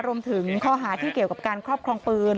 รวมถึงข้อหาที่เกี่ยวกับการครอบครองปืน